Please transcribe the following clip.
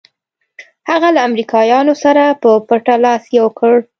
هغه له امریکایانو سره په پټه لاس یو کړ.